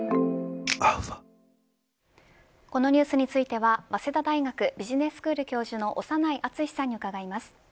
このニュースについては早稲田大学ビジネススクール教授の長内厚さんに伺います。